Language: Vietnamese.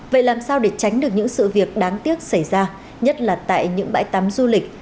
vậy làm sao để tránh được những sự việc đáng tiếc xảy ra nhất là tại những bãi tắm du lịch